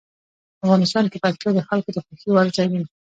افغانستان کې پکتیا د خلکو د خوښې وړ ځای دی.